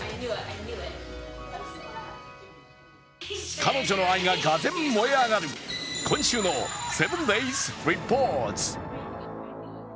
彼女の愛ががぜん燃え上がる、今週の「７ｄａｙｓリポート」。